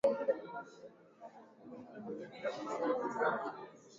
congo drc nao wamefanikiwa kuingia katika hatua ya robo fainali